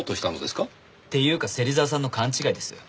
っていうか芹沢さんの勘違いですよ。